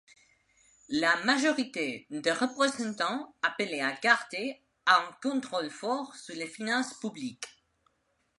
La majorité des représentants appelait à garder un contrôle fort sur les finances publiques.